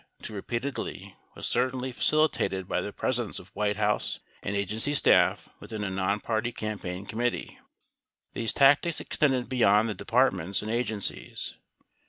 1216 repeatedly, was certainly facilitated by the presence of White House and agency staff within a nonparty campaign committee. These tac tics extended beyond the departments and agencies.